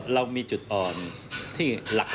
เรามีจุดอ่อนที่หลัก